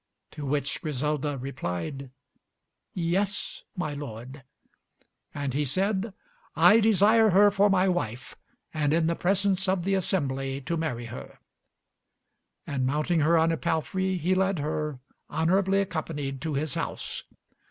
To which Griselda replied, "Yes, my lord;" and he said, "I desire her for my wife, and in the presence of the assembly to marry her;" and mounting her on a palfrey he led her, honorably accompanied, to his house.